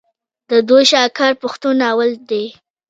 د دوي شاهکار پښتو ناول دے